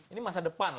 ini masa depan